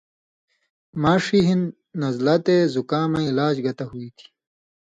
ماݜی ہِن نزلہ تے زکامَیں علاج گتہ ہُوئ تھی